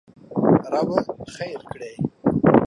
ربه خېر کړې!